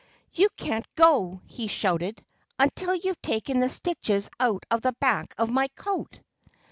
"You can't go," he shouted, "until you've taken the stitches out of the back of my coat."